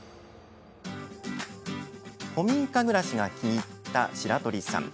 古民家暮らしが気に入った白鳥さん。